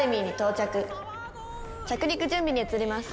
着陸準備に移ります。